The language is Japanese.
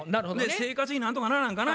生活費なんとかならんかな